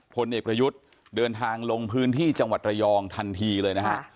พลเอกประยุทธ์เดินทางลงพื้นที่จังหวัดระยองทันทีเลยนะฮะ